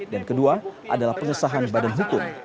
dan kedua adalah penyesahan badan hukum